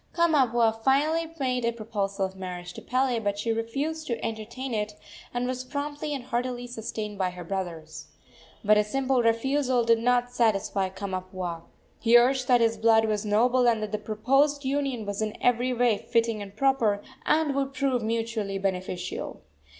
Kamapuaa finally made a proposal of marriage to Pele; but she refused to entertain it, and was promptly and heartily sustained by her brothers. But a simple refusal did not satisfy Kamapuaa. He urged that his blood was noble, and that the proposed union was in every way fitting and proper, and would prove mutually beneficial.